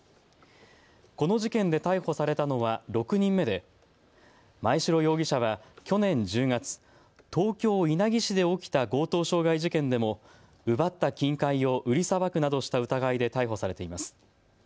この事件で逮捕されたのは６人目で真栄城容疑者は去年１０月、東京稲城市で起きた強盗傷害事件でも奪った金塊を売りさばくなどした疑いで逮捕されています。